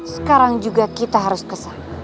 sekarang juga kita harus kesan